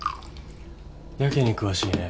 やけに詳しいね？